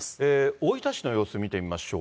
大分市の様子見てみましょう。